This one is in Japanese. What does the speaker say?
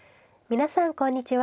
皆さんこんにちは。